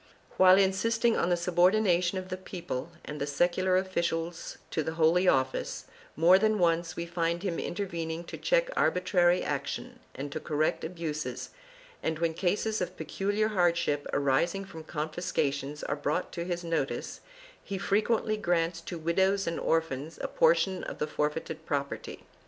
While insisting on the subordination of the people and the secular officials to the Holy Office, more than once we find him intervening to check arbitrary action and to correct abuses and, when cases of peculiar hardship arising from confiscations are brought to his notice, he frequently grants to widows and orphans a portion of the forfeited property.